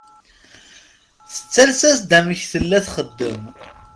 Tattales-as-d amek tella txeddem.